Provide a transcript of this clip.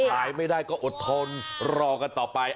ขายไม่ได้ก็อดทนรอกันต่อไป